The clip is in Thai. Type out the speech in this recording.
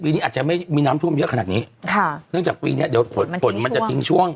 นี้อาจจะไม่มีน้ำท่วมเยอะขนาดนี้ค่ะเนื่องจากปีเนี้ยเดี๋ยวฝนมันจะทิ้งช่วง